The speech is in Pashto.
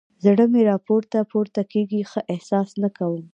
زړه مې راپورته پورته کېږي؛ ښه احساس نه کوم.